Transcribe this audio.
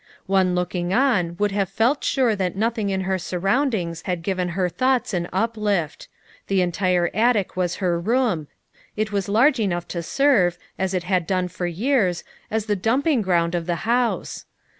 One looking on would have felt sure that nothing in her surroundings had given her thoughts an uplift. The entire attic was her room; it was large enough to serve, as it had done for years, as the dumping ground of the house.